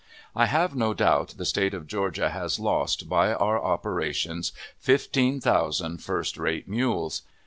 I have no doubt the State of Georgia has lost, by our operations, fifteen thousand first rate mules.